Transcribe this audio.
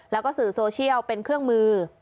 แล้วก็สื่อโซเชียลเป็นเครื่องมือ